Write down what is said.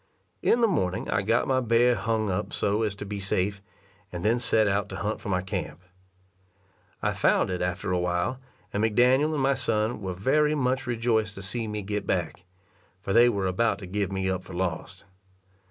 In the morning I got my bear hung up so as to be safe, and then set out to hunt for my camp. I found it after a while, and McDaniel and my son were very much rejoiced to see me get back, for they were about to give me up for lost.